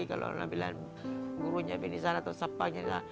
kalau orang bilang gurunya bini sana atau sepangnya sana